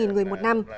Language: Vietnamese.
bảy mươi người một năm